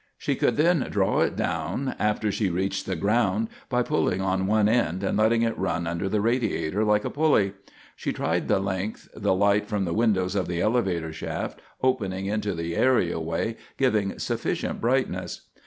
She could then draw it down after she reached the ground by pulling on one end and letting it run under the radiator like a pulley. She tried the length, the light from the windows of the elevator shaft, opening into the areaway, giving sufficient brightness.